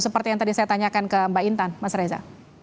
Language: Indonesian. seperti yang tadi saya tanyakan ke mbak intan mas reza